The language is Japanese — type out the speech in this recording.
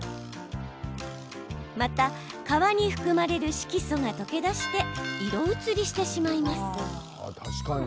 また、皮に含まれる色素が溶け出して色移りしてしまいます。